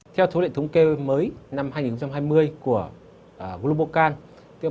theo thống kê mới năm hai nghìn hai mươi của globocan